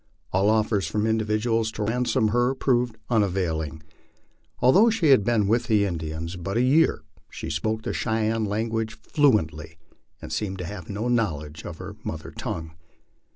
All offers from individuals to Ransom her proved unavailing. Although she had been with the Indians but a year, she spoke the Cheyenne language fluently, and seemed to have no knowledge of her mother tongue.